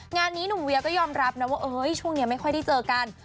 งานนี้หนุ่มเวียก็ยอมรับนะว่าช่วงนี้ไม่ค่อยได้เจอกัน